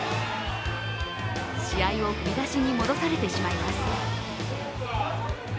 試合を振り出しに戻されてしまいます。